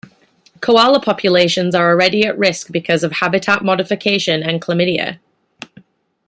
Koala populations are already at risk because of habitat modification and chlamydia.